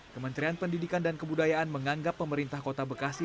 kementerian pendidikan dan kebudayaan menganggap pemerintah kota bekasi